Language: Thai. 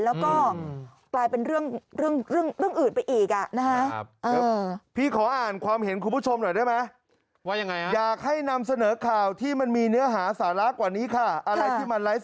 แล้วก็กลายเป็นเรื่องอื่นไปอีกอ่ะนะฮะ